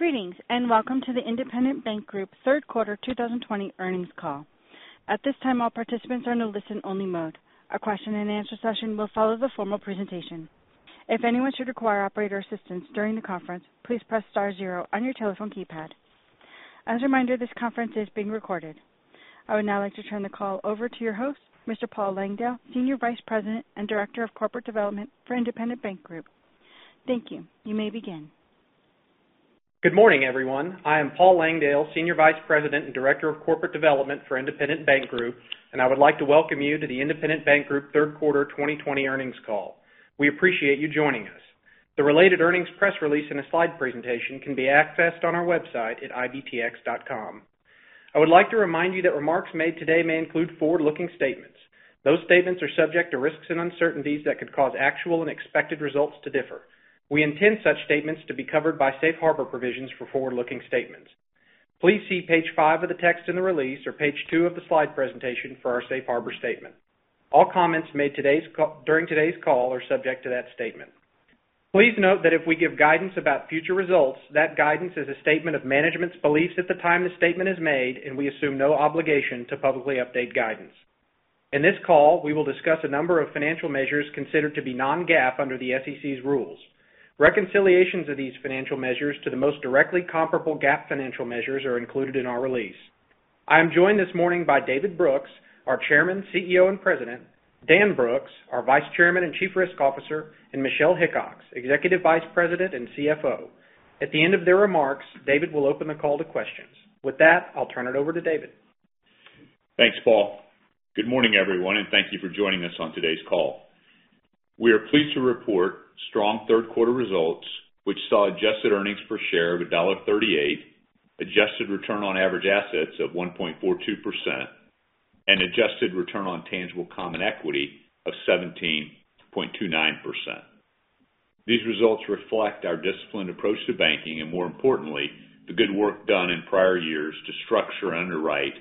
Greetings, and welcome to the Independent Bank Group third quarter 2020 earnings call. At this time, all participants are in a listen-only mode. A question-and-answer session will follow the formal presentation. If anyone should require operator assistance during the conference, please press star zero on your telephone keypad. As a reminder, this conference is being recorded. I would now like to turn the call over to your host, Mr. Paul Langdale, Senior Vice President and Director of Corporate Development for Independent Bank Group. Thank you. You may begin. Good morning, everyone. I am Paul Langdale, Senior Vice President and Director of Corporate Development for Independent Bank Group, and I would like to welcome you to the Independent Bank Group third quarter 2020 earnings call. We appreciate you joining us. The related earnings press release and a slide presentation can be accessed on our website at ibtx.com. I would like to remind you that remarks made today may include forward-looking statements. Those statements are subject to risks and uncertainties that could cause actual and expected results to differ. We intend such statements to be covered by safe harbor provisions for forward-looking statements. Please see page five of the text in the release or page two of the slide presentation for our safe harbor statement. All comments made during today's call are subject to that statement. Please note that if we give guidance about future results, that guidance is a statement of management's beliefs at the time the statement is made, and we assume no obligation to publicly update guidance. In this call, we will discuss a number of financial measures considered to be non-GAAP under the SEC's rules. Reconciliations of these financial measures to the most directly comparable GAAP financial measures are included in our release. I am joined this morning by David Brooks, our Chairman, CEO, and President, Dan Brooks, our Vice Chairman and Chief Risk Officer, and Michelle Hickox, Executive Vice President and CFO. At the end of their remarks, David will open the call to questions. With that, I'll turn it over to David. Thanks, Paul. Good morning, everyone, and thank you for joining us on today's call. We are pleased to report strong third quarter results, which saw adjusted earnings per share of $1.38, adjusted return on average assets of 1.42%, and adjusted return on tangible common equity of 17.29%. These results reflect our disciplined approach to banking and, more importantly, the good work done in prior years to structure and underwrite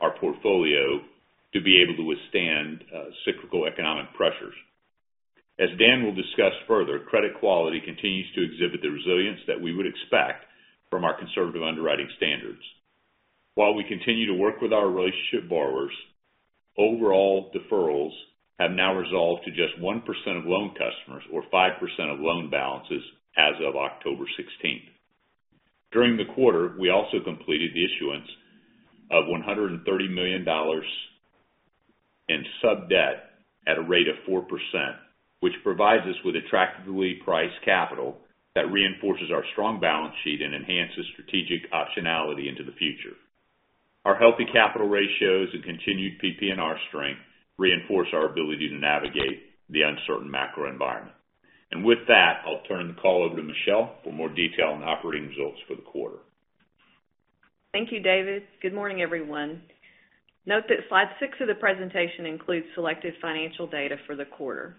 our portfolio to be able to withstand cyclical economic pressures. As Dan will discuss further, credit quality continues to exhibit the resilience that we would expect from our conservative underwriting standards. While we continue to work with our relationship borrowers, overall deferrals have now resolved to just 1% of loan customers or 5% of loan balances as of October 16th. During the quarter, we also completed the issuance of $130 million in sub-debt at a rate of 4%, which provides us with attractively priced capital that reinforces our strong balance sheet and enhances strategic optionality into the future. Our healthy capital ratios and continued PPNR strength reinforce our ability to navigate the uncertain macro environment. With that, I'll turn the call over to Michelle for more detail on the operating results for the quarter. Thank you, David. Good morning, everyone. Note that slide six of the presentation includes selected financial data for the quarter.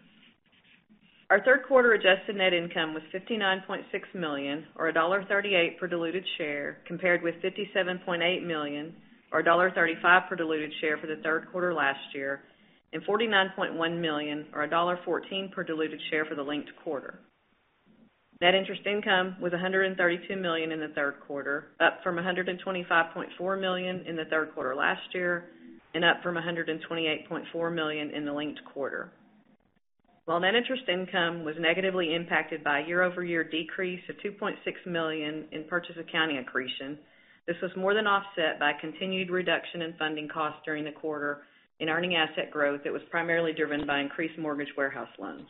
Our third quarter adjusted net income was $59.6 million, or $1.38 per diluted share, compared with $57.8 million or $1.35 per diluted share for the third quarter last year and $49.1 million or $1.14 per diluted share for the linked quarter. Net interest income was $132 million in the third quarter, up from $125.4 million in the third quarter last year and up from $128.4 million in the linked quarter. While net interest income was negatively impacted by a year-over-year decrease of $2.6 million in purchase accounting accretion, this was more than offset by continued reduction in funding costs during the quarter in earning asset growth that was primarily driven by increased mortgage warehouse loans.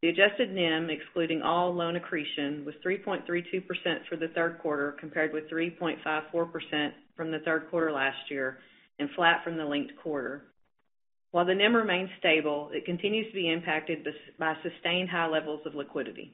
The adjusted NIM, excluding all loan accretion, was 3.32% for the third quarter, compared with 3.54% from the third quarter last year and flat from the linked quarter. While the NIM remains stable, it continues to be impacted by sustained high levels of liquidity.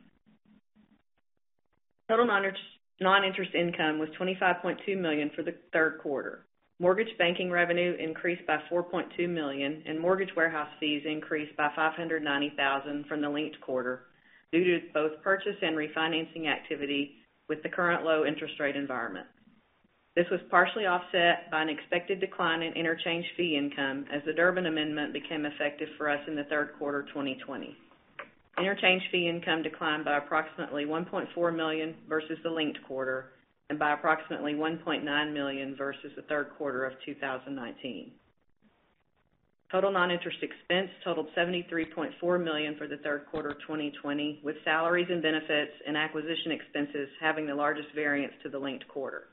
Total non-interest income was $25.2 million for the third quarter. Mortgage banking revenue increased by $4.2 million, and mortgage warehouse fees increased by $590,000 from the linked quarter due to both purchase and refinancing activity with the current low interest rate environment. This was partially offset by an expected decline in interchange fee income as the Durbin Amendment became effective for us in the third quarter 2020. Interchange fee income declined by approximately $1.4 million versus the linked quarter and by approximately $1.9 million versus the third quarter of 2019. Total non-interest expense totaled $73.4 million for the third quarter of 2020, with salaries and benefits and acquisition expenses having the largest variance to the linked quarter.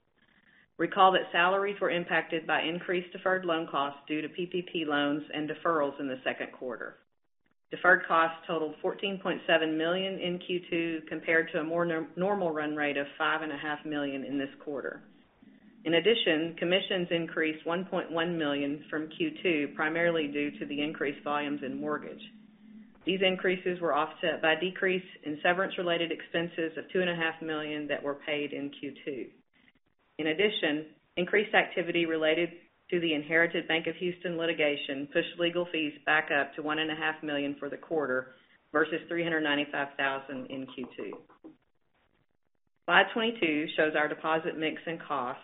Recall that salaries were impacted by increased deferred loan costs due to PPP loans and deferrals in the second quarter. Deferred costs totaled $14.7 million in Q2 compared to a more normal run rate of $5.5 million in this quarter. In addition, commissions increased $1.1 million from Q2, primarily due to the increased volumes in mortgage. These increases were offset by a decrease in severance related expenses of $2.5 million that were paid in Q2. In addition, increased activity related to the inherited Bank of Houston litigation pushed legal fees back up to $1.5 million for the quarter versus $395,000 in Q2. Slide 22 shows our deposit mix and cost.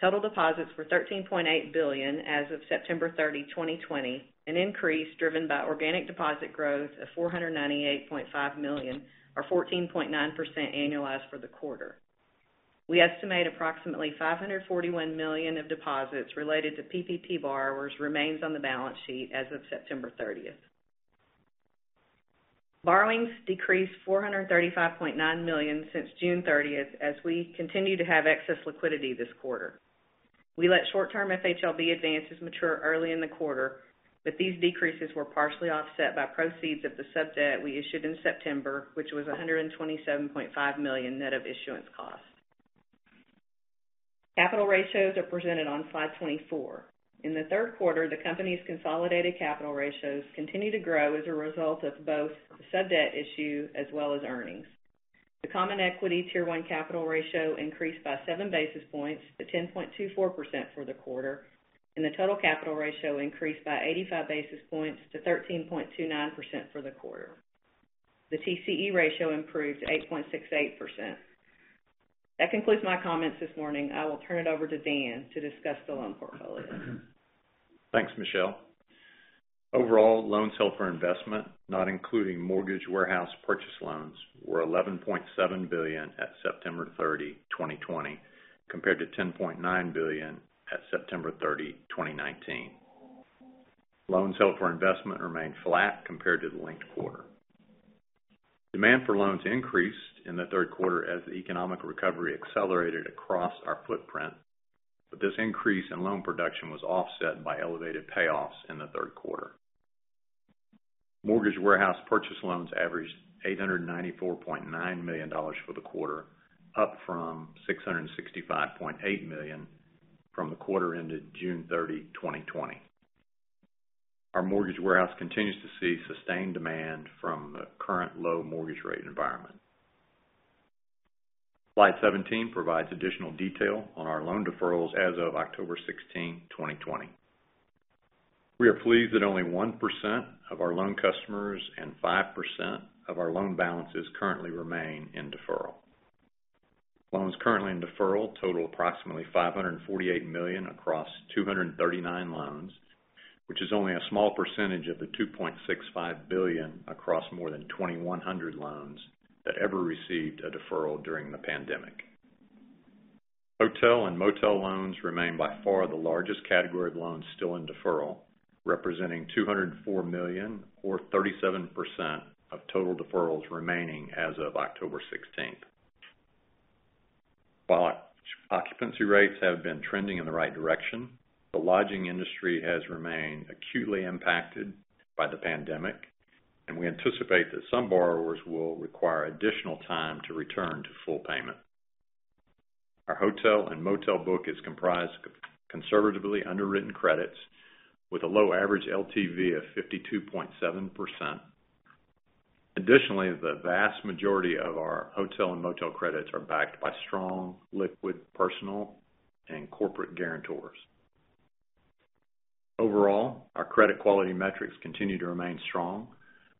Total deposits were $13.8 billion as of September 30, 2020, an increase driven by organic deposit growth of $498.5 million or 14.9% annualized for the quarter. We estimate approximately $541 million of deposits related to PPP borrowers remains on the balance sheet as of September 30th. Borrowings decreased $435.9 million since June 30th, as we continued to have excess liquidity this quarter. We let short-term FHLB advances mature early in the quarter, but these decreases were partially offset by proceeds of the sub-debt we issued in September, which was $127.5 million net of issuance costs. Capital ratios are presented on slide 24. In the third quarter, the company's consolidated capital ratios continued to grow as a result of both the sub-debt issue as well as earnings. The common equity Tier 1 capital ratio increased by seven basis points to 10.24% for the quarter, and the total capital ratio increased by 85 basis points to 13.29% for the quarter. The TCE ratio improved to 8.68%. That concludes my comments this morning. I will turn it over to Dan to discuss the loan portfolio. Thanks, Michelle. Overall, loans held for investment, not including mortgage warehouse purchase loans, were $11.7 billion at September 30, 2020, compared to $10.9 billion at September 30, 2019. Loans held for investment remained flat compared to the linked quarter. Demand for loans increased in the third quarter as the economic recovery accelerated across our footprint. This increase in loan production was offset by elevated payoffs in the third quarter. Mortgage warehouse purchase loans averaged $894.9 million for the quarter, up from $665.8 million from the quarter ended June 30, 2020. Our mortgage warehouse continues to see sustained demand from the current low mortgage rate environment. Slide 17 provides additional detail on our loan deferrals as of October 16, 2020. We are pleased that only 1% of our loan customers and 5% of our loan balances currently remain in deferral. Loans currently in deferral total approximately $548 million across 239 loans, which is only a small percentage of the $2.65 billion across more than 2,100 loans that ever received a deferral during the pandemic. Hotel and motel loans remain by far the largest category of loans still in deferral, representing $204 million or 37% of total deferrals remaining as of October 16th. While occupancy rates have been trending in the right direction, the lodging industry has remained acutely impacted by the pandemic, and we anticipate that some borrowers will require additional time to return to full payment. Our hotel and motel book is comprised of conservatively underwritten credits with a low average LTV of 52.7%. Additionally, the vast majority of our hotel and motel credits are backed by strong liquid personal and corporate guarantors. Overall, our credit quality metrics continue to remain strong,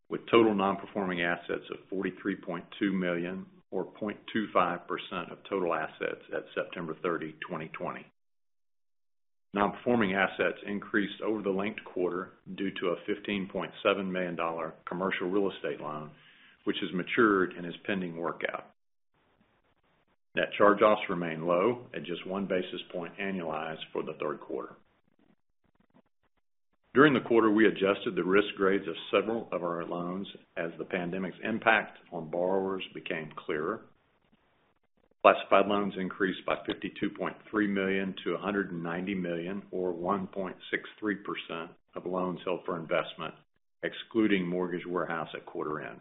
with total non-performing assets of $43.2 million or 0.25% of total assets at September 30, 2020. Non-performing assets increased over the linked quarter due to a $15.7 million commercial real estate loan, which has matured and is pending workout. Net charge-offs remain low at just one basis point annualized for the third quarter. During the quarter, we adjusted the risk grades of several of our loans as the pandemic's impact on borrowers became clearer. Classified loans increased by $52.3 million to $190 million, or 1.63% of loans held for investment, excluding mortgage warehouse at quarter end.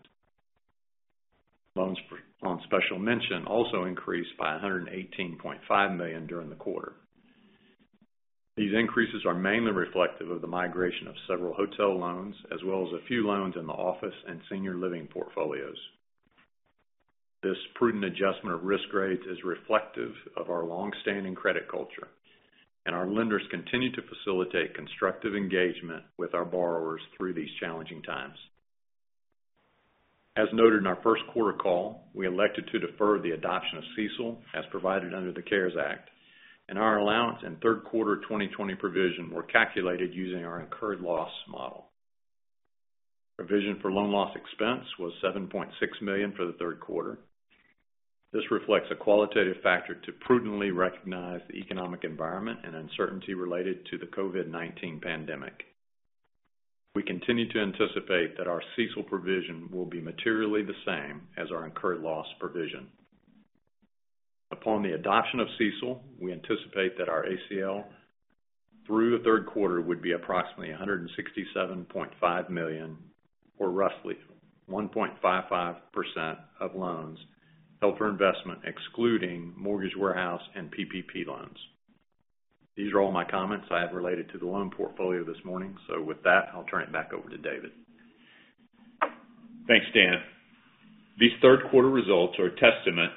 Loans on special mention also increased by $118.5 million during the quarter. These increases are mainly reflective of the migration of several hotel loans, as well as a few loans in the office and senior living portfolios. This prudent adjustment of risk grades is reflective of our longstanding credit culture, and our lenders continue to facilitate constructive engagement with our borrowers through these challenging times. As noted in our first quarter call, we elected to defer the adoption of CECL as provided under the CARES Act, and our allowance in third quarter 2020 provision were calculated using our incurred loss model. Provision for loan loss expense was $7.6 million for the third quarter. This reflects a qualitative factor to prudently recognize the economic environment and uncertainty related to the COVID-19 pandemic. We continue to anticipate that our CECL provision will be materially the same as our incurred loss provision. Upon the adoption of CECL, we anticipate that our ACL through the third quarter would be approximately $167.5 million, or roughly 1.55% of loans held for investment excluding mortgage warehouse and PPP loans. These are all my comments I have related to the loan portfolio this morning. With that, I'll turn it back over to David. Thanks, Dan. These third quarter results are a testament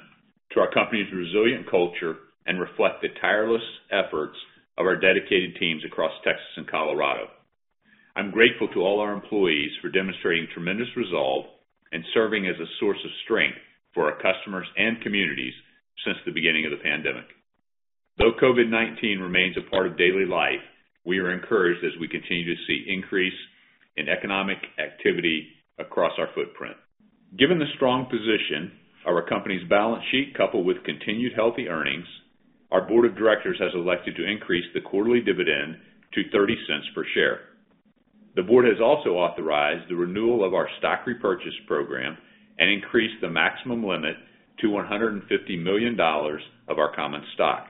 to our company's resilient culture and reflect the tireless efforts of our dedicated teams across Texas and Colorado. I'm grateful to all our employees for demonstrating tremendous resolve and serving as a source of strength for our customers and communities since the beginning of the pandemic. Though COVID-19 remains a part of daily life, we are encouraged as we continue to see increase in economic activity across our footprint. Given the strong position of our company's balance sheet, coupled with continued healthy earnings, our board of directors has elected to increase the quarterly dividend to $0.30 per share. The board has also authorized the renewal of our stock repurchase program and increased the maximum limit to $150 million of our common stock.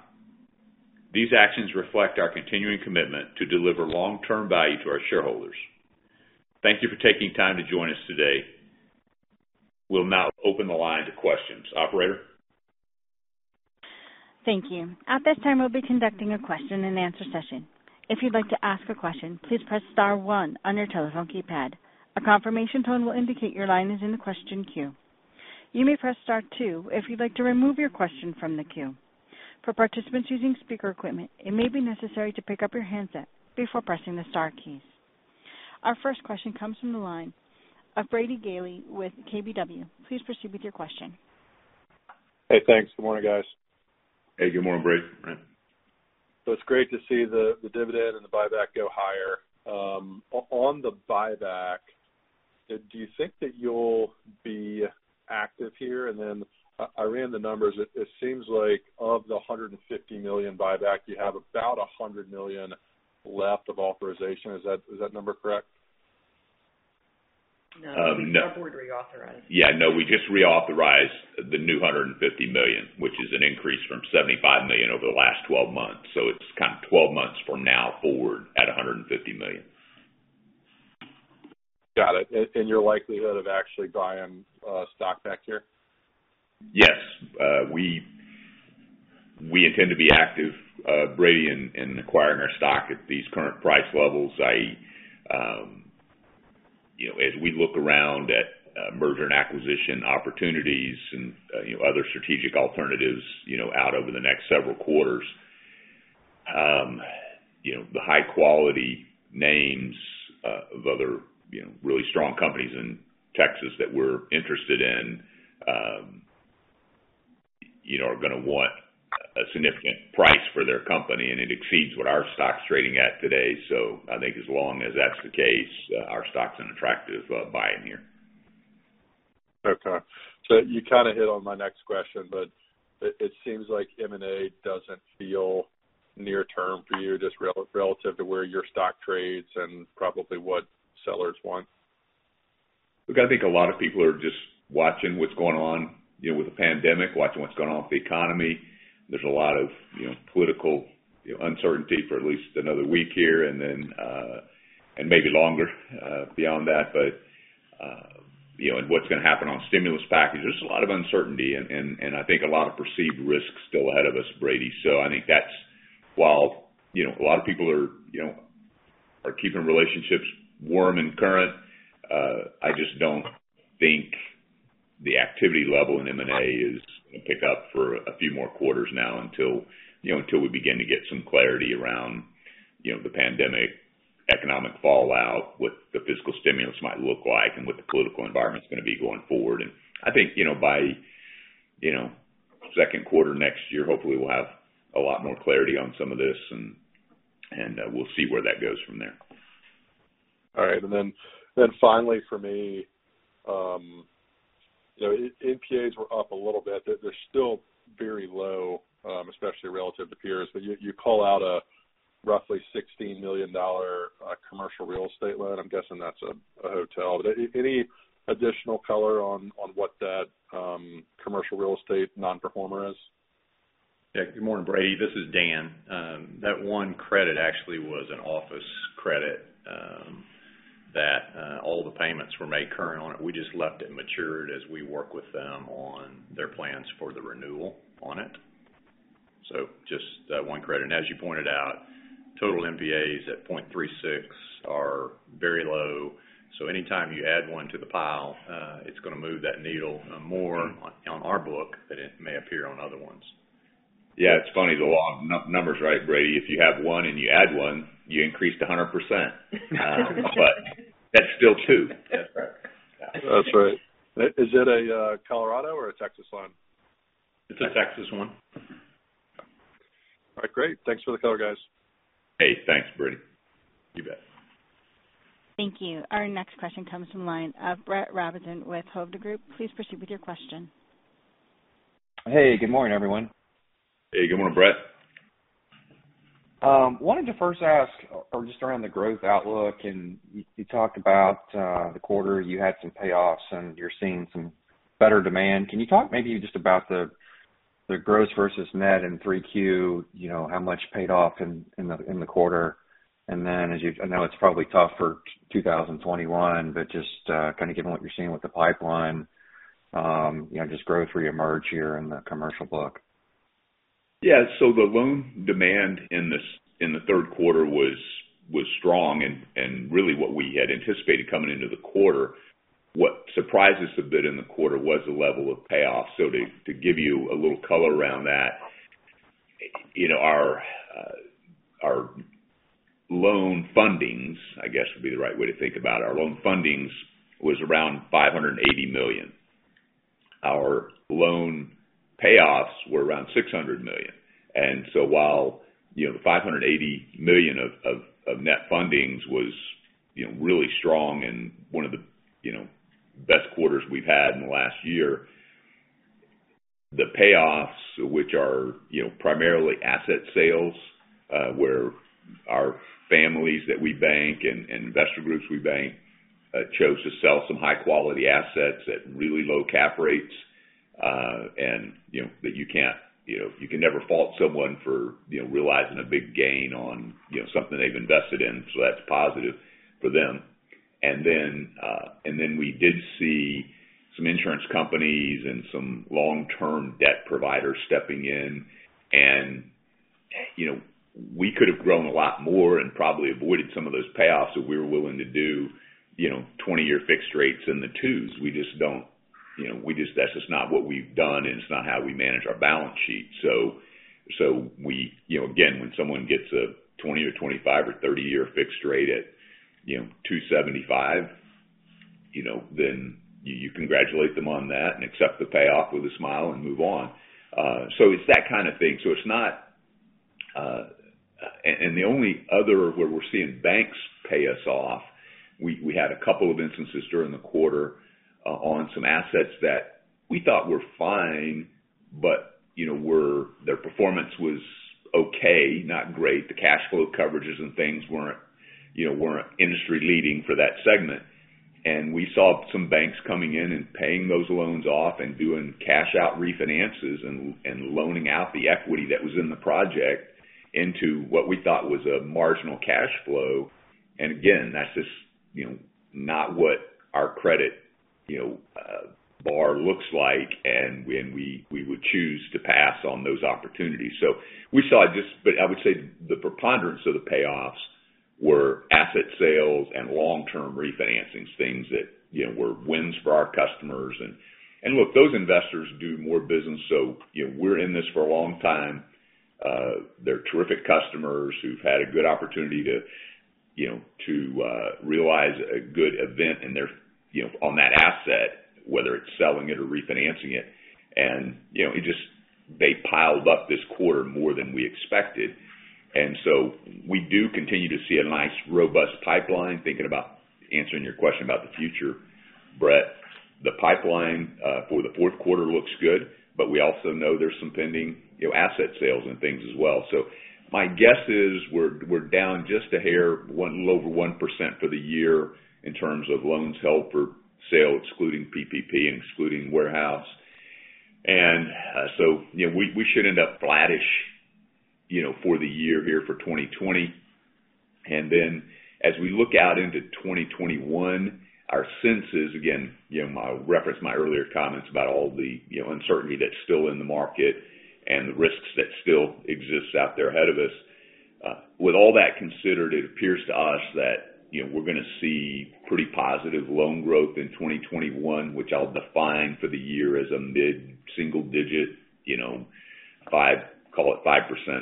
These actions reflect our continuing commitment to deliver long-term value to our shareholders. Thank you for taking time to join us today. We'll now open the line to questions. Operator? Thank you. At this time, we'll be conducting a question-and-answer session. If you'd like to ask a question, please press star one on your telephone keypad. A confirmation tone will indicate your line is in the question queue. You may press star two if you'd like to remove your question from the queue. For participants using speaker equipment, it may be necessary to pick up your handset before pressing the star keys. Our first question comes from the line of Brady Gailey with KBW. Please proceed with your question. Hey, thanks. Good morning, guys. Hey, good morning, Brady. It's great to see the dividend and the buyback go higher. On the buyback, do you think that you'll be active here? I ran the numbers, it seems like of the $150 million buyback, you have about $100 million left of authorization. Is that number correct? No. No. Our board reauthorized. Yeah, no, we just reauthorized the new $150 million, which is an increase from $75 million over the last 12 months. It's kind of 12 months from now forward at $150 million. Got it. Your likelihood of actually buying stock back here? Yes. We intend to be active, Brady, in acquiring our stock at these current price levels, i.e., as we look around at merger and acquisition opportunities and other strategic alternatives out over the next several quarters. The high-quality names of other really strong companies in Texas that we're interested in are going to want a significant price for their company, and it exceeds what our stock's trading at today. I think as long as that's the case, our stock's an attractive buy in here. Okay. You kind of hit on my next question, but it seems like M&A doesn't feel near term for you, just relative to where your stock trades and probably what sellers want. Look, I think a lot of people are just watching what's going on with the pandemic, watching what's going on with the economy. There's a lot of political uncertainty for at least another week here and maybe longer beyond that. What's going to happen on stimulus package, there's a lot of uncertainty, and I think a lot of perceived risk still ahead of us, Brady. I think that while a lot of people are keeping relationships warm and current, I just don't think the activity level in M&A is going to pick up for a few more quarters now until we begin to get some clarity around the pandemic economic fallout, what the fiscal stimulus might look like, and what the political environment's going to be going forward. I think by second quarter next year, hopefully we'll have a lot more clarity on some of this, and we'll see where that goes from there. All right. Finally for me, NPAs were up a little bit. They're still very low, especially relative to peers. You call out a roughly $16 million commercial real estate loan. I'm guessing that's a hotel. Any additional color on what that commercial real estate non-performer is? Yeah. Good morning, Brady. This is Dan. That one credit actually was an office credit that all the payments were made current on it. We just left it matured as we work with them on their plans for the renewal on it. Just that one credit. As you pointed out, total NPAs at 0.36 are very low. Anytime you add one to the pile, it's going to move that needle more on our book than it may appear on other ones. Yeah, it's funny the numbers, right, Brady? If you have one and you add one, you increased a 100%. That's still two. That's right. Yeah. That's right. Is it a Colorado or a Texas loan? It's a Texas one. All right, great. Thanks for the color, guys. Hey, thanks, Brady. You bet. Thank you. Our next question comes from the line of Brett Rabatin with Hovde Group. Please proceed with your question. Hey, good morning, everyone. Hey, good morning, Brett. Wanted to first ask just around the growth outlook. You talked about the quarter, you had some payoffs, and you're seeing some better demand. Can you talk maybe just about the gross versus net in Q3? How much paid off in the quarter? I know it's probably tough for 2021, but just kind of given what you're seeing with the pipeline, just growth reemerge here in the commercial book. The loan demand in the third quarter was strong, and really what we had anticipated coming into the quarter. What surprises a bit in the quarter was the level of payoffs. To give you a little color around that. Our loan fundings, I guess, would be the right way to think about our loan fundings, was around $580 million. Our loan payoffs were around $600 million. While the $580 million of net fundings was really strong and one of the best quarters we've had in the last year, the payoffs, which are primarily asset sales, where our families that we bank and investor groups we bank chose to sell some high-quality assets at really low cap rates. You can never fault someone for realizing a big gain on something they've invested in. That's positive for them. We did see some insurance companies and some long-term debt providers stepping in, and we could have grown a lot more and probably avoided some of those payoffs if we were willing to do 20-year fixed rates in the twos. That's just not what we've done, and it's not how we manage our balance sheet. Again, when someone gets a 20-year or 25-year or 30-year fixed rate at 2.75%, you congratulate them on that and accept the payoff with a smile and move on. It's that kind of thing. The only other, where we're seeing banks pay us off, we had a couple of instances during the quarter on some assets that we thought were fine, but their performance was okay, not great. The cash flow coverages and things weren't industry-leading for that segment. We saw some banks coming in and paying those loans off and doing cash-out refinances and loaning out the equity that was in the project into what we thought was a marginal cash flow. Again, that's just not what our credit bar looks like, and we would choose to pass on those opportunities. I would say the preponderance of the payoffs were asset sales and long-term refinancings, things that were wins for our customers. Look, those investors do more business, so we're in this for a long time. They're terrific customers who've had a good opportunity to realize a good event on that asset, whether it's selling it or refinancing it. They piled up this quarter more than we expected. We do continue to see a nice, robust pipeline. Thinking about answering your question about the future, Brett, the pipeline for the fourth quarter looks good, but we also know there's some pending asset sales and things as well. My guess is we're down just a hair, a little over 1% for the year in terms of loans held for sale, excluding PPP and excluding warehouse. We should end up flattish for the year here for 2020. Then as we look out into 2021, our sense is, again, reference my earlier comments about all the uncertainty that's still in the market and the risks that still exist out there ahead of us. With all that considered, it appears to us that we're going to see pretty positive loan growth in 2021, which I'll define for the year as a mid-single digit, call it 5%± a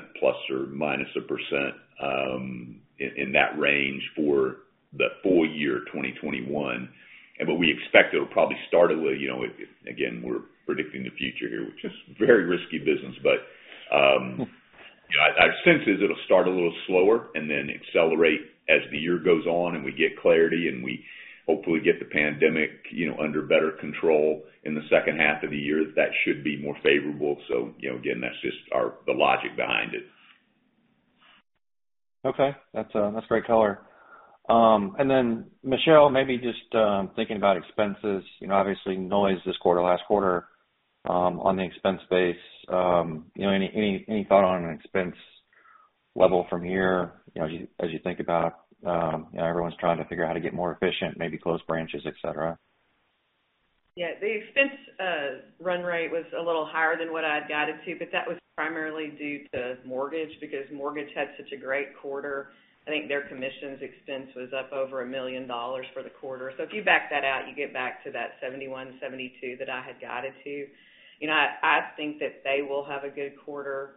percent, in that range for the full year 2021. Again, we're predicting the future here, which is very risky business. Our sense is it'll start a little slower and then accelerate as the year goes on and we get clarity, and we hopefully get the pandemic under better control in the second half of the year. That should be more favorable. Again, that's just the logic behind it. Okay. That's great color. Michelle, maybe just thinking about expenses, obviously noise this quarter, last quarter on the expense base. Any thought on an expense level from here as you think about everyone's trying to figure out how to get more efficient, maybe close branches, et cetera? Yeah. The expense run rate was a little higher than what I'd guided to, that was primarily due to mortgage because mortgage had such a great quarter. I think their commissions expense was up over a million dollars for the quarter. If you back that out, you get back to that $71, $72 that I had guided to. I think that they will have a good quarter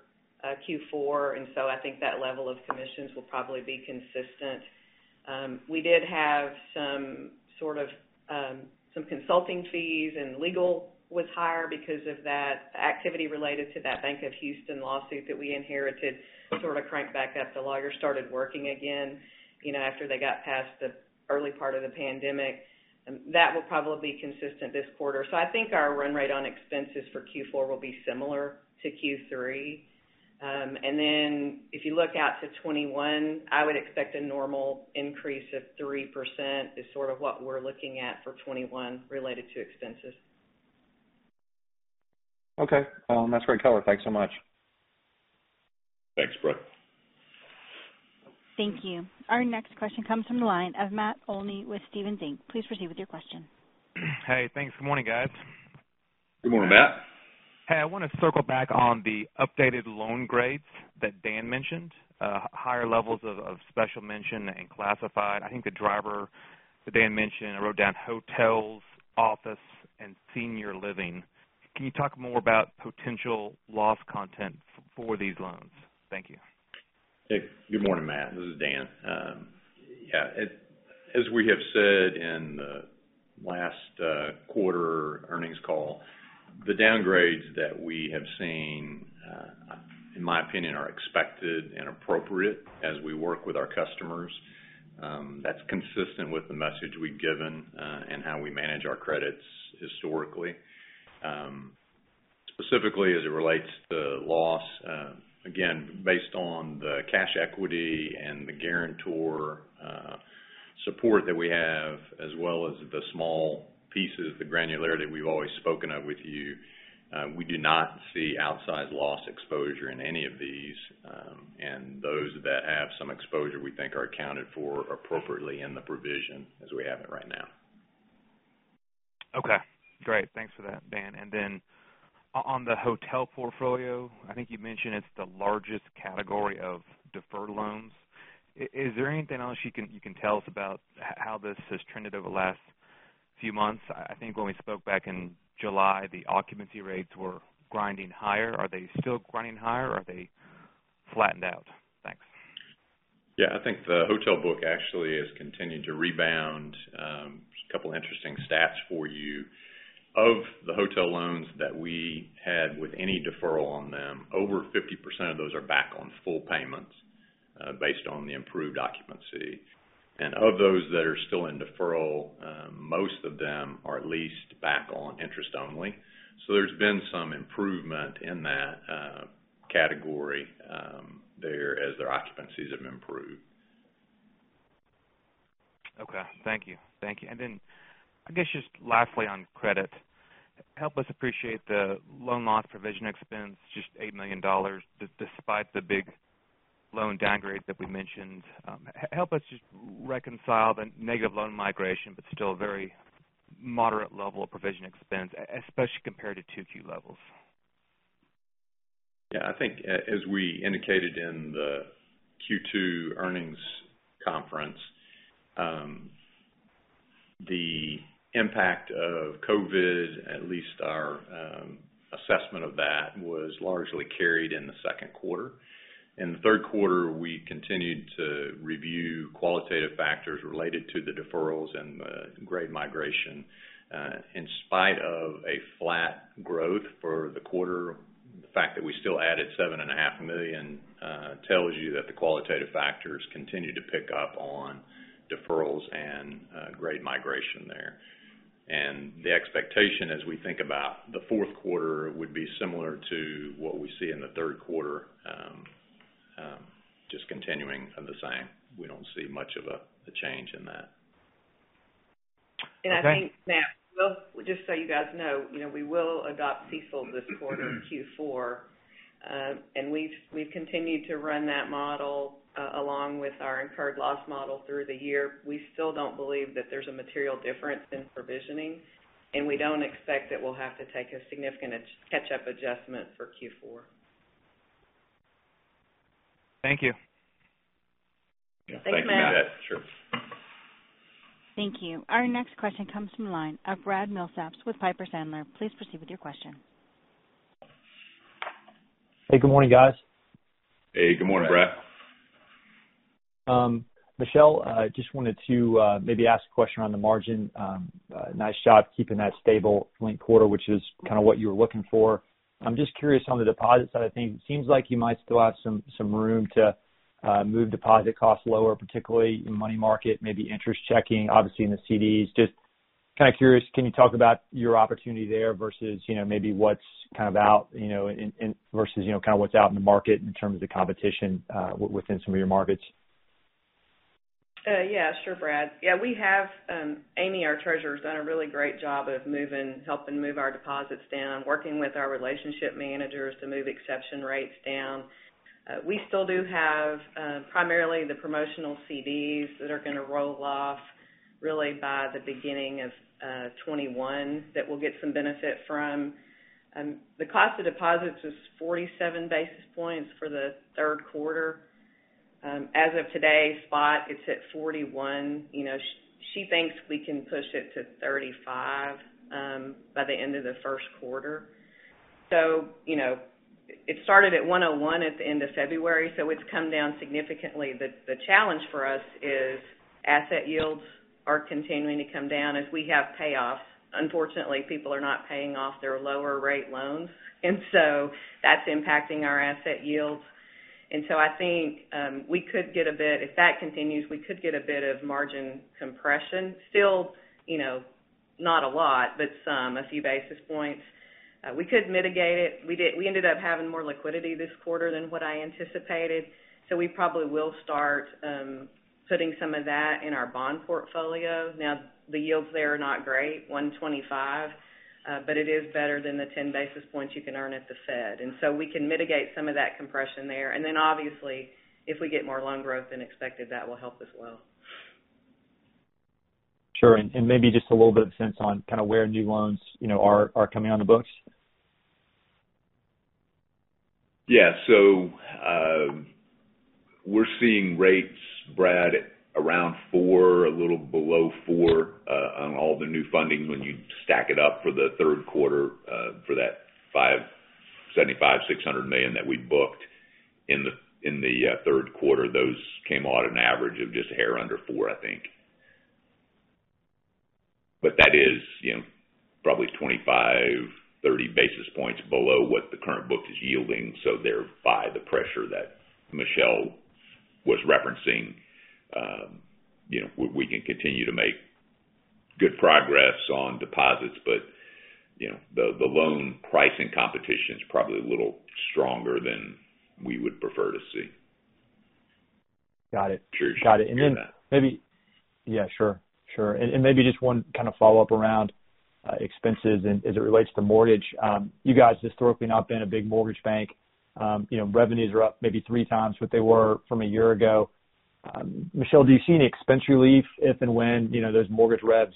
Q4, I think that level of commissions will probably be consistent. We did have some consulting fees, legal was higher because of that activity related to that Bank of Houston lawsuit that we inherited sort of crank back up. The lawyers started working again after they got past the early part of the pandemic. That will probably be consistent this quarter. I think our run rate on expenses for Q4 will be similar to Q3. If you look out to 2021, I would expect a normal increase of 3% is sort of what we're looking at for 2021 related to expenses. Okay. That's great color. Thanks so much. Thanks, Brett. Thank you. Our next question comes from the line of Matt Olney with Stephens Inc. Please proceed with your question. Hey, thanks. Good morning, guys. Good morning, Matt. Hey, I want to circle back on the updated loan grades that Dan mentioned. Higher levels of special mention and classified. I think Dan mentioned, I wrote down hotels, office, and senior living. Can you talk more about potential loss content for these loans? Thank you. Hey, good morning, Matt. This is Dan. Yeah, as we have said in the last quarter earnings call, the downgrades that we have seen, in my opinion, are expected and appropriate as we work with our customers. That's consistent with the message we've given, and how we manage our credits historically. Specifically, as it relates to loss, again, based on the cash equity and the guarantor support that we have as well as the small pieces, the granularity we've always spoken of with you, we do not see outsized loss exposure in any of these. Those that have some exposure, we think are accounted for appropriately in the provision as we have it right now. Okay, great. Thanks for that, Dan. On the hotel portfolio, I think you mentioned it's the largest category of deferred loans. Is there anything else you can tell us about how this has trended over the last few months? I think when we spoke back in July, the occupancy rates were grinding higher. Are they still grinding higher? Are they flattened out? Thanks. Yeah. I think the hotel book actually has continued to rebound. Just a couple interesting stats for you. Of the hotel loans that we had with any deferral on them, over 50% of those are back on full payments based on the improved occupancy. Of those that are still in deferral, most of them are at least back on interest only. There's been some improvement in that category there as their occupancies have improved. Okay. Thank you. I guess just lastly on credit, help us appreciate the loan loss provision expense, just $8 million, despite the big loan downgrade that we mentioned. Help us just reconcile the negative loan migration, still a very moderate level of provision expense, especially compared to 2Q levels. Yeah. I think as we indicated in the Q2 earnings conference, the impact of COVID, at least our assessment of that, was largely carried in the second quarter. In the third quarter, we continued to review qualitative factors related to the deferrals and the grade migration. In spite of a flat growth for the quarter, the fact that we still added $7.5 million tells you that the qualitative factors continue to pick up on deferrals and grade migration there. The expectation as we think about the fourth quarter would be similar to what we see in the third quarter, just continuing the same. We don't see much of a change in that. Okay. I think, Matt, just so you guys know, we will adopt CECL this quarter in Q4. We've continued to run that model along with our incurred loss model through the year. We still don't believe that there's a material difference in provisioning, and we don't expect that we'll have to take a significant catch-up adjustment for Q4. Thank you. Thanks, Matt. Thank you for that. Sure. Thank you. Our next question comes from the line of Brad Milsaps with Piper Sandler. Please proceed with your question. Hey, good morning, guys. Hey, good morning, Brad. Michelle, I just wanted to maybe ask a question on the margin. Nice job keeping that stable linked quarter, which is kind of what you were looking for. I'm just curious on the deposit side of things. It seems like you might still have some room to move deposit costs lower, particularly in money market, maybe interest checking, obviously in the CDs. Just kind of curious, can you talk about your opportunity there versus maybe what's kind of out in the market in terms of competition within some of your markets? Sure, Brad. Amy, our treasurer, has done a really great job of helping move our deposits down, working with our relationship managers to move exception rates down. We still do have primarily the promotional CDs that are going to roll off really by the beginning of 2021 that we'll get some benefit from. The cost of deposits was 47 basis points for the third quarter. As of today, spot is at 41. She thinks we can push it to 35 by the end of the first quarter. It started at 101 at the end of February, so it's come down significantly. The challenge for us is asset yields are continuing to come down as we have payoffs. Unfortunately, people are not paying off their lower rate loans, and so that's impacting our asset yields. I think if that continues, we could get a bit of margin compression. Still not a lot, but some, a few basis points. We could mitigate it. We ended up having more liquidity this quarter than what I anticipated, so we probably will start putting some of that in our bond portfolio. Now, the yields there are not great, 125, but it is better than the 10 basis points you can earn at the Fed. We can mitigate some of that compression there. Obviously, if we get more loan growth than expected, that will help as well. Sure. Maybe just a little bit of sense on kind of where new loans are coming on the books. Yeah. We're seeing rates, Brad, around four, a little below four on all the new funding when you stack it up for the third quarter for that $575 million, $600 million that we booked in the third quarter. Those came out an average of just a hair under four, I think. That is probably 25, 30 basis points below what the current book is yielding. Thereby, the pressure that Michelle was referencing, we can continue to make good progress on deposits, but the loan pricing competition is probably a little stronger than we would prefer to see. Got it. I'm sure you can hear that. Yeah, sure. Maybe just one follow-up around expenses and as it relates to mortgage. You guys historically have not been a big mortgage bank. Revenues are up maybe three times what they were from a year ago. Michelle, do you see any expense relief if and when those mortgage reps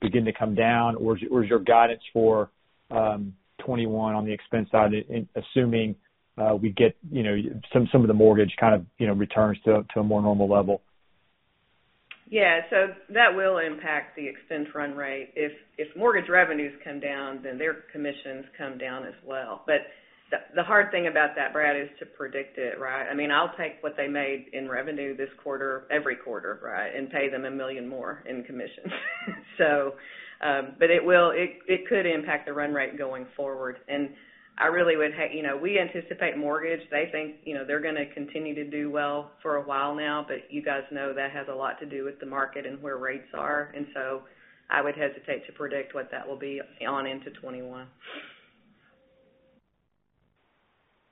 begin to come down? Is your guidance for 2021 on the expense side, assuming we get some of the mortgage returns to a more normal level? Yeah. That will impact the expense run rate. If mortgage revenues come down, then their commissions come down as well. The hard thing about that, Brad, is to predict it, right? I'll take what they made in revenue this quarter every quarter, right, and pay them a million more in commission. It could impact the run rate going forward. We anticipate mortgage. They think they're going to continue to do well for a while now, but you guys know that has a lot to do with the market and where rates are. I would hesitate to predict what that will be on into 2021.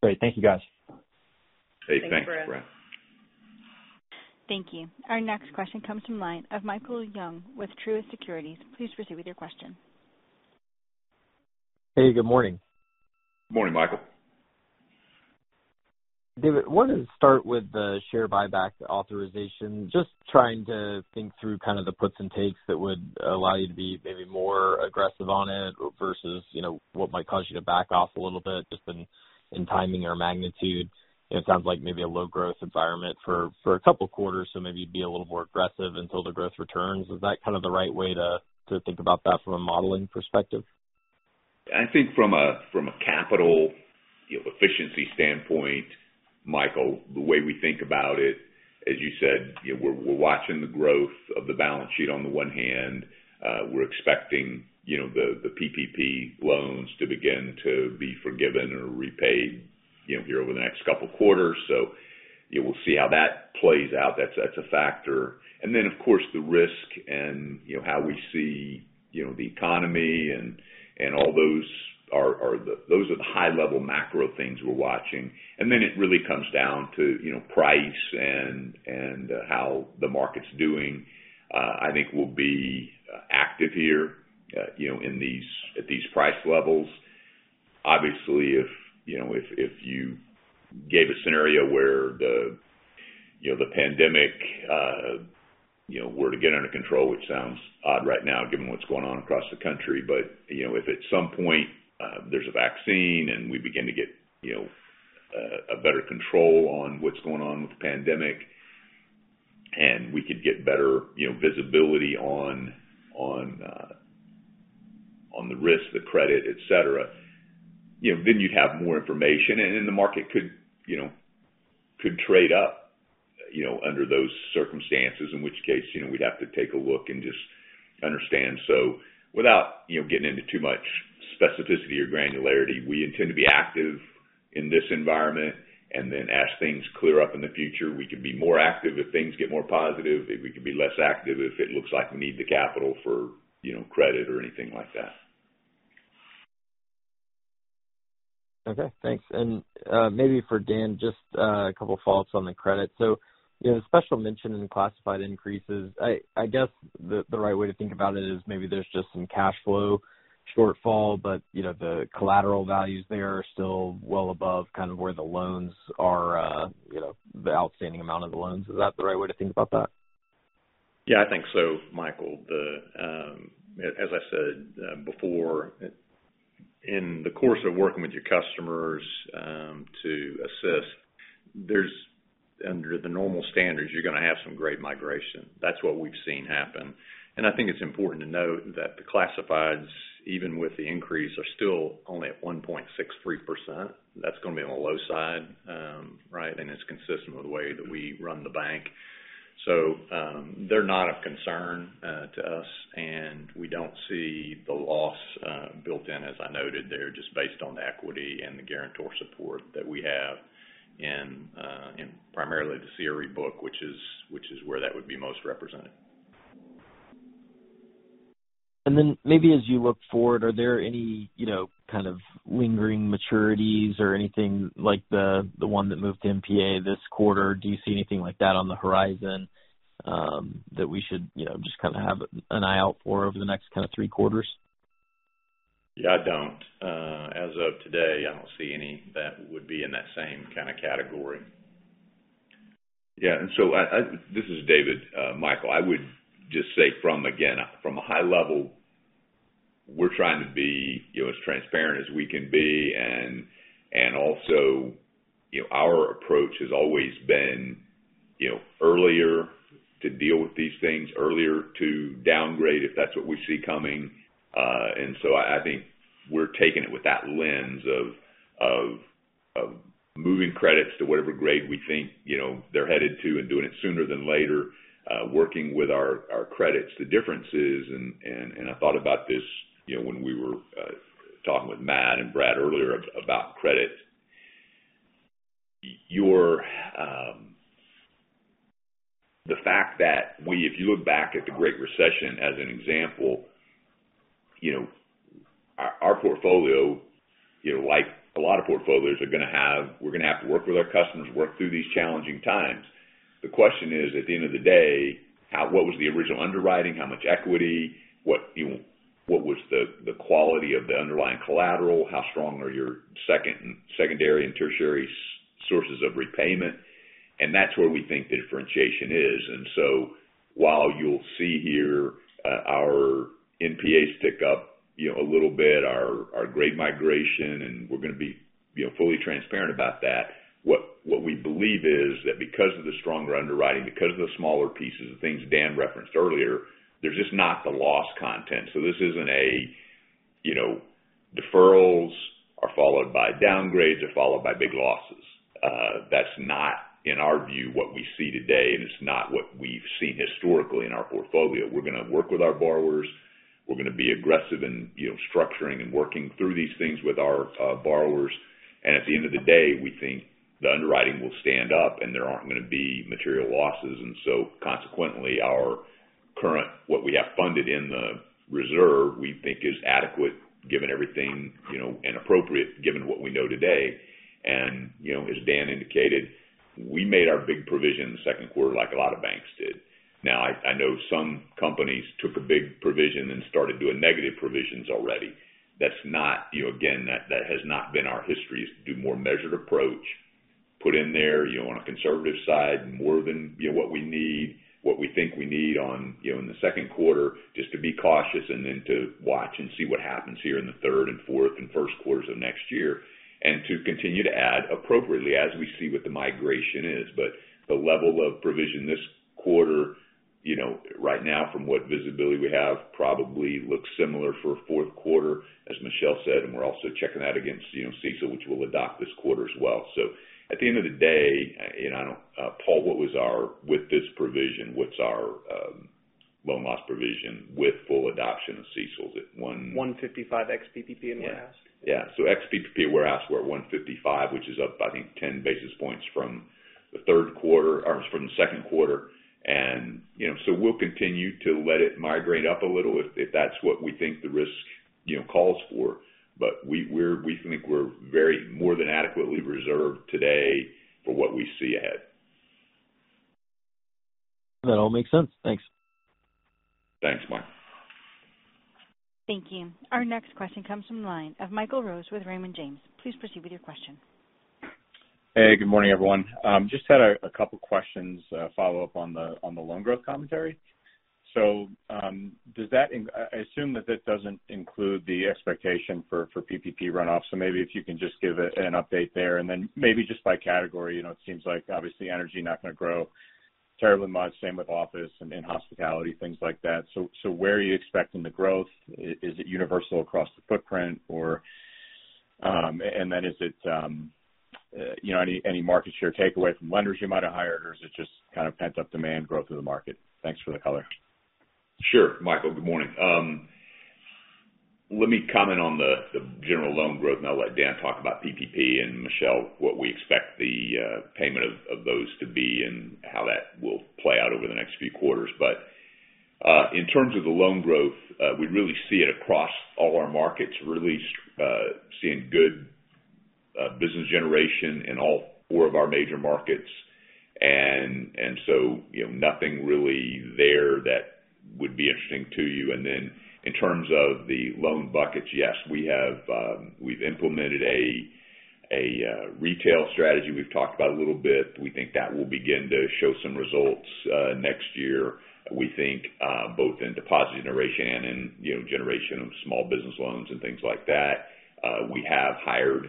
Great. Thank you, guys. Hey, thanks, Brad. Thanks, Brad. Thank you. Our next question comes from the line of Michael Young with Truist Securities. Please proceed with your question. Hey, good morning. Morning, Michael. David, wanted to start with the share buyback authorization. Trying to think through kind of the puts and takes that would allow you to be maybe more aggressive on it versus what might cause you to back off a little bit just in timing or magnitude. It sounds like maybe a low-growth environment for a couple of quarters, maybe you'd be a little more aggressive until the growth returns. Is that the right way to think about that from a modeling perspective? I think from a capital efficiency standpoint, Michael, the way we think about it, as you said, we're watching the growth of the balance sheet on the one hand. We're expecting the PPP loans to begin to be forgiven or repaid here over the next couple of quarters. We'll see how that plays out. That's a factor. Of course, the risk and how we see the economy and all those are the high-level macro things we're watching. It really comes down to price and how the market's doing. I think we'll be active here at these price levels. Obviously, if you gave a scenario where the pandemic were to get under control, which sounds odd right now given what's going on across the country. If at some point there's a vaccine and we begin to get a better control on what's going on with the pandemic, and we could get better visibility on the risk, the credit, et cetera, then you'd have more information. The market could trade up under those circumstances, in which case, we'd have to take a look and just understand. Without getting into too much specificity or granularity, we intend to be active in this environment, and then as things clear up in the future, we could be more active if things get more positive. We could be less active if it looks like we need the capital for credit or anything like that. Okay, thanks. Maybe for Dan, just a couple follow-ups on the credit. The special mention in the classified increases, I guess the right way to think about it is maybe there's just some cash flow shortfall, but the collateral values there are still well above where the loans are the outstanding amount of the loans. Is that the right way to think about that? Yeah, I think so, Michael. As I said before, in the course of working with your customers to assist, under the normal standards, you're going to have some grade migration. That's what we've seen happen. I think it's important to note that the classifieds, even with the increase, are still only at 1.63%. That's going to be on the low side, right? It's consistent with the way that we run the bank. They're not of concern to us, and we don't see the loss built in, as I noted there, just based on the equity and the guarantor support that we have in primarily the CRE book, which is where that would be most represented. Maybe as you look forward, are there any kind of lingering maturities or anything like the one that moved to NPA this quarter? Do you see anything like that on the horizon that we should just kind of have an eye out for over the next three quarters? Yeah, I don't. As of today, I don't see any that would be in that same kind of category. This is David. Michael, I would just say from a high level, we're trying to be as transparent as we can be. Also, our approach has always been earlier to deal with these things, earlier to downgrade if that's what we see coming. I think we're taking it with that lens of moving credits to whatever grade we think they're headed to and doing it sooner than later, working with our credits. The difference is, I thought about this when we were talking with Matt and Brad earlier about credit. If you look back at the Great Recession as an example, our portfolio, like a lot of portfolios, we're going to have to work with our customers, work through these challenging times. The question is, at the end of the day, what was the original underwriting? How much equity? What was the quality of the underlying collateral? How strong are your secondary and tertiary sources of repayment? That's where we think the differentiation is. While you'll see here our NPAs tick up a little bit, our grade migration, and we're going to be fully transparent about that. What we believe is that because of the stronger underwriting, because of the smaller pieces, the things Dan referenced earlier, there's just not the loss content. This isn't a deferrals are followed by downgrades, are followed by big losses. That's not, in our view, what we see today, and it's not what we've seen historically in our portfolio. We're going to work with our borrowers. We're going to be aggressive in structuring and working through these things with our borrowers. At the end of the day, we think the underwriting will stand up and there aren't going to be material losses. Consequently, our current, what we have funded in the reserve, we think is adequate given everything, and appropriate given what we know today. As Dan indicated, we made our big provision in the second quarter like a lot of banks did. Now I know some companies took a big provision and started doing negative provisions already. Again, that has not been our history, is to do more measured approach, put in there on a conservative side more than what we think we need in the second quarter just to be cautious and then to watch and see what happens here in the third and fourth and first quarters of next year. To continue to add appropriately as we see what the migration is. The level of provision this quarter right now from what visibility we have probably looks similar for fourth quarter, as Michelle said, and we're also checking that against CECL, which we'll adopt this quarter as well. At the end of the day, Paul, with this provision, what's our loan loss provision with full adoption of CECL? 1.55 ex-PPP in warehouse. Yeah. Ex-PPP warehouse, we're at 155, which is up, I think, 10 basis points from the second quarter. We'll continue to let it migrate up a little if that's what we think the risk calls for. We think we're more than adequately reserved today for what we see ahead. That all makes sense. Thanks. Thanks, Mike. Thank you. Our next question comes from the line of Michael Rose with Raymond James. Please proceed with your question. Hey, good morning, everyone. Just had two questions, follow up on the loan growth commentary. I assume that that doesn't include the expectation for PPP runoff. Maybe if you can just give an update there and maybe just by category. It seems like obviously energy not going to grow terribly much, same with office and hospitality, things like that. Where are you expecting the growth? Is it universal across the footprint? Any market share takeaway from lenders you might have hired, or is it just kind of pent-up demand growth in the market? Thanks for the color. Sure, Michael. Good morning. Let me comment on the general loan growth. I'll let Dan talk about PPP and Michelle, what we expect the payment of those to be and how that will play out over the next few quarters. In terms of the loan growth, we really see it across all our markets, really seeing good business generation in all four of our major markets. Nothing really there that would be interesting to you. In terms of the loan buckets, yes, we've implemented a retail strategy we've talked about a little bit. We think that will begin to show some results next year. We think both in deposit generation and in generation of small business loans and things like that. We have hired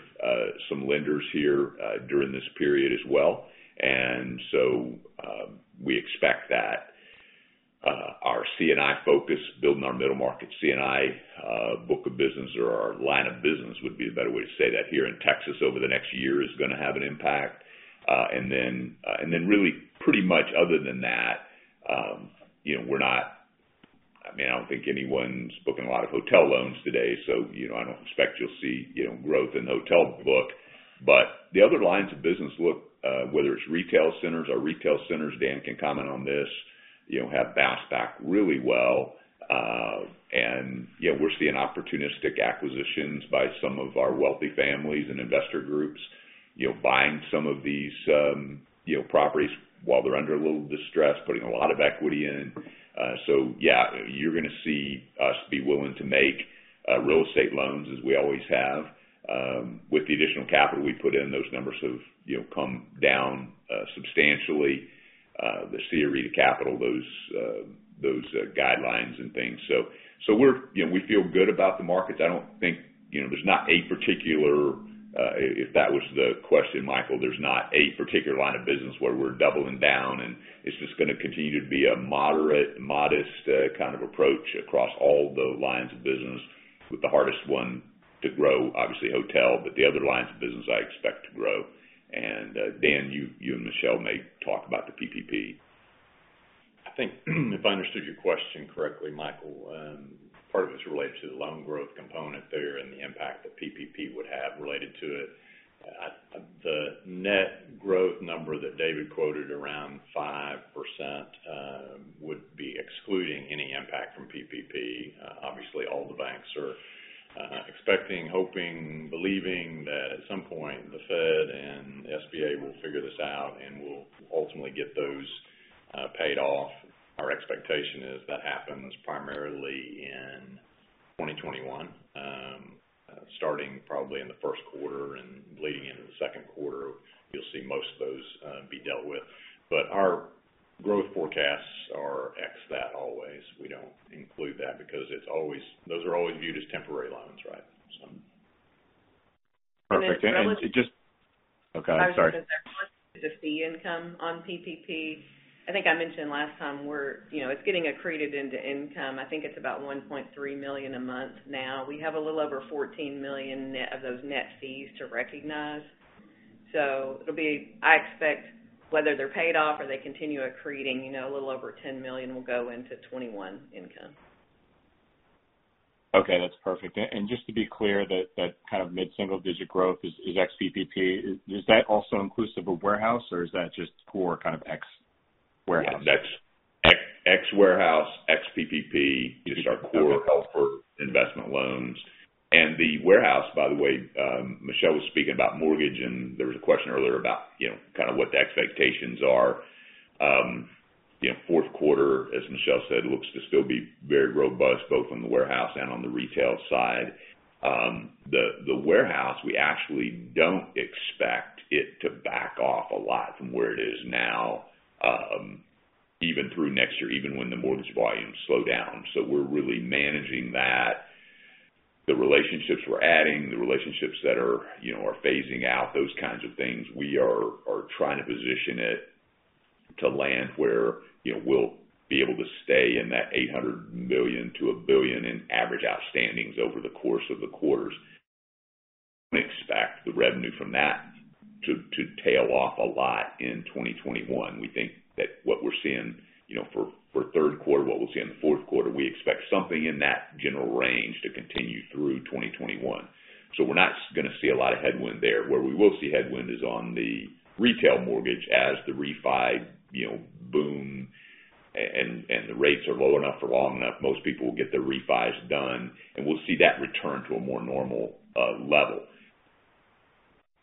some lenders here during this period as well. We expect that our C&I focus, building our middle market C&I book of business or our line of business would be a better way to say that here in Texas over the next year is going to have an impact. Really pretty much other than that, I don't think anyone's booking a lot of hotel loans today, so I don't expect you'll see growth in the hotel book. The other lines of business look, whether it's retail centers. Our retail centers, Dan can comment on this, have bounced back really well. We're seeing opportunistic acquisitions by some of our wealthy families and investor groups buying some of these properties while they're under a little distress, putting a lot of equity in. Yeah, you're going to see us be willing to make real estate loans, as we always have. With the additional capital we put in, those numbers have come down substantially. The CRE, the capital, those guidelines and things. We feel good about the markets. If that was the question, Michael, there's not a particular line of business where we're doubling down, and it's just going to continue to be a moderate, modest kind of approach across all the lines of business, with the hardest one to grow, obviously, hotel, but the other lines of business I expect to grow. Dan, you and Michelle may talk about the PPP. I think if I understood your question correctly, Michael, part of it's related to the loan growth component there and the impact that PPP would have related to it. The net growth number that David quoted around 5% would be excluding any impact from PPP. Obviously, all the banks are expecting, hoping, believing that at some point the Fed and SBA will figure this out, and we'll ultimately get those paid off. Our expectation is that happens primarily in 2021. Starting probably in the first quarter and leading into the second quarter, you'll see most of those be dealt with. Our growth forecasts are ex that always. We don't include that because those are always viewed as temporary loans, right? Perfect. And as relevant- Okay, I'm sorry. I was going to say, as relevant to the fee income on PPP, I think I mentioned last time, it's getting accreted into income. I think it's about $1.3 million a month now. We have a little over $14 million of those net fees to recognize. It'll be, I expect, whether they're paid off or they continue accreting, a little over $10 million will go into 2021 income. Okay, that's perfect. Just to be clear, that kind of mid-single digit growth is ex PPP. Is that also inclusive of warehouse, or is that just core kind of ex warehouse? Yes. Ex warehouse, ex PPP. Just our core- Okay investment loans. The warehouse, by the way, Michelle was speaking about mortgage, and there was a question earlier about what the expectations are. fourth quarter, as Michelle said, looks to still be very robust, both on the warehouse and on the retail side. The warehouse, we actually don't expect it to back off a lot from where it is now, even through next year, even when the mortgage volumes slow down. We're really managing that. The relationships we're adding, the relationships that are phasing out, those kinds of things, we are trying to position it to land where we'll be able to stay in that $800 million to a billion in average outstandings over the course of the quarters. We expect the revenue from that to tail off a lot in 2021. We think that what we're seeing for third quarter, what we'll see in the fourth quarter, we expect something in that general range to continue through 2021. We're not going to see a lot of headwind there. Where we will see headwind is on the retail mortgage as the refi boom and the rates are low enough for long enough, most people will get their refis done, and we'll see that return to a more normal level.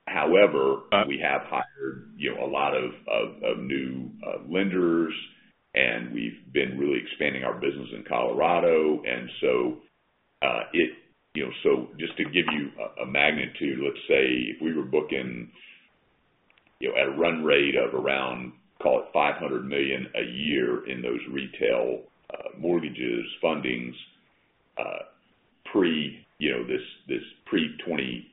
However, we have hired a lot of new lenders, and we've been really expanding our business in Colorado. Just to give you a magnitude, let's say if we were booking at a run rate of around, call it, $500 million a year in those retail mortgages, fundings, pre this pre-pandemic,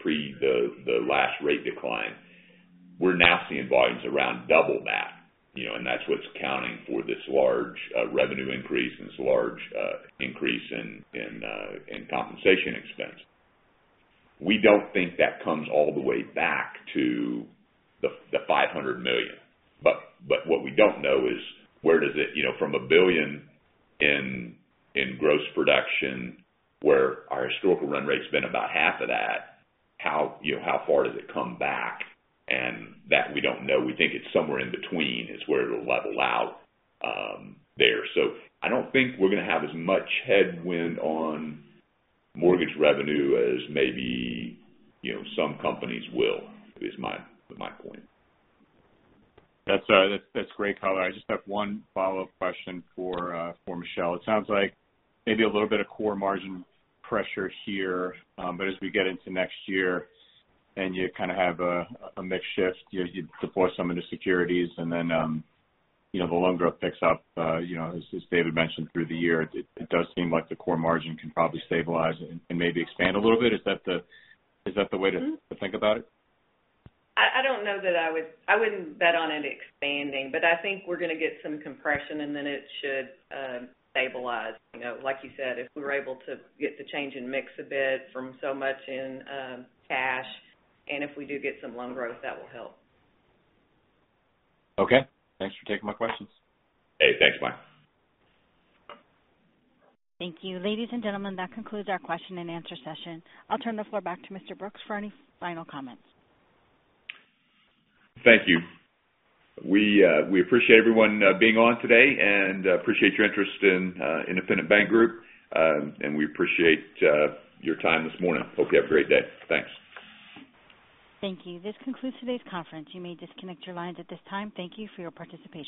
pre the last rate decline. We're now seeing volumes around double that, and that's what's accounting for this large revenue increase and this large increase in compensation expense. We don't think that comes all the way back to the $500 million. What we don't know is where does it, from a billion in gross production, where our historical run rate's been about half of that, how far does it come back? That we don't know. We think it's somewhere in between is where it'll level out there. I don't think we're going to have as much headwind on mortgage revenue as maybe some companies will, is my point. That's great color. I just have one follow-up question for Michelle. It sounds like maybe a little bit of core margin pressure here. As we get into next year, and you kind of have a mix shift, you defer some into securities, and then the loan growth picks up. As David mentioned, through the year, it does seem like the core margin can probably stabilize and maybe expand a little bit. Is that the way to think about it? I wouldn't bet on it expanding, but I think we're going to get some compression, and then it should stabilize. Like you said, if we're able to get the change in mix a bit from so much in cash, and if we do get some loan growth, that will help. Okay. Thanks for taking my questions. Hey, thanks. Bye. Thank you. Ladies and gentlemen, that concludes our question-and-answer session. I'll turn the floor back to Mr. Brooks for any final comments. Thank you. We appreciate everyone being on today and appreciate your interest in Independent Bank Group. We appreciate your time this morning. Hope you have a great day. Thanks. Thank you. This concludes today's conference. You may disconnect your lines at this time. Thank you for your participation.